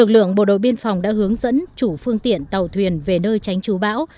lượng bộ đội biên phòng đã hướng dẫn chủ phương tiện tàu thuyền về nơi tránh trú bão